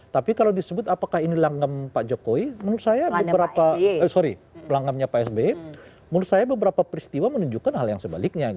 tapi kalau disebut apakah ini langgam pak jokowi menurut saya beberapa peristiwa menunjukkan hal yang sebaliknya